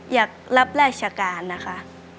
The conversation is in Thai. อยากรับราชการนะคะ